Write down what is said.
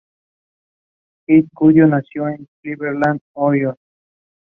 This made her the highest paid municipal politician in the province.